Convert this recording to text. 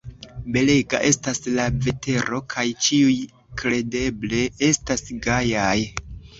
Belega estas la vetero kaj ĉiuj kredeble estas gajaj.